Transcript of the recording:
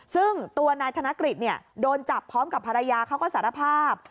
ซึ่งตัวนายธนกฤษโดนจับพร้อมกับภรรยาเขาก็สารภาพ